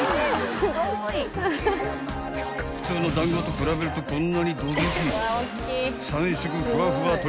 ［普通の団子と比べるとこんなにどでけえ］